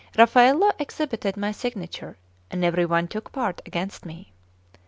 Raffaello exhibited my signature, and every one took part against me.